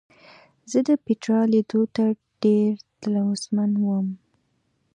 زه د پیترا لیدلو ته ډېر تلوسمن وم.